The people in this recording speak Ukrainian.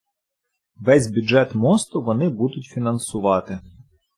Весь бюджет мосту вони будуть фінансувати.